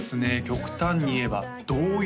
極端に言えば童謡？